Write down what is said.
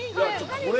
これ。